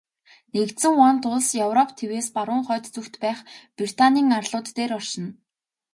Нэгдсэн вант улс Европ тивээс баруун хойд зүгт байх Британийн арлууд дээр оршино.